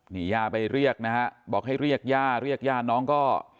นี่ย่าไปเรียกนะฮะบอกให้เรียกย่าเรียกย่าน้องก็